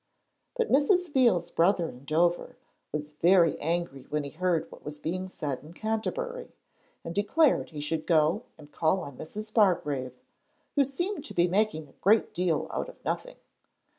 But Mrs. Veal's brother in Dover was very angry when he heard what was being said in Canterbury, and declared he should go and call on Mrs. Bargrave, who seemed to be making a great deal out of nothing.